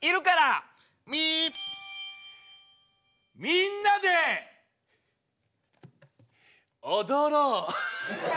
みんなで踊ろう。